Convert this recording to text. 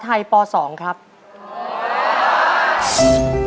จากคำถามละ